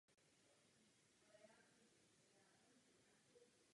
Tepny vycházející přímo ze srdce mají velmi pružné stěny.